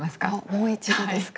もう一度ですか。